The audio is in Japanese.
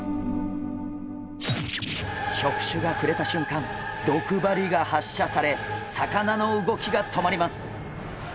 触手が触れたしゅんかん毒針が発射され魚の動きが止まります。